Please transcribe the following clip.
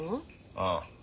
ああ。